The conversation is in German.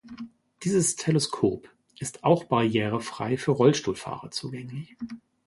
Dieses Teleskop ist auch barrierefrei für Rollstuhlfahrer zugänglich.